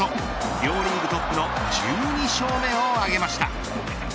両リーグトップの１２勝目を挙げました。